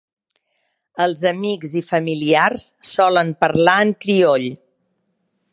Els amics i familiars solen parlar en crioll.